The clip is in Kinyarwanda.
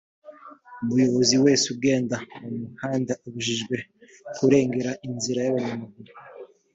umuyobozi wese ugenda mu muhanda abujijwe kurengera inzira y abanyamaguru